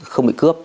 không bị cướp